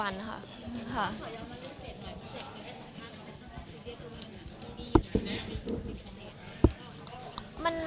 ไม่นะคะอยู่ปัจจุบันค่ะ